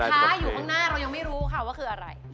ค้าอยู่ข้างหน้าเรายังไม่รู้ค่ะว่าคืออะไร